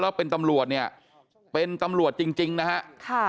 แล้วเป็นตำรวจเนี่ยเป็นตำรวจจริงนะฮะ